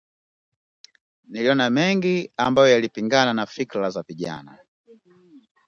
Niliona mengi ambayo yalipingana na fikra za vijana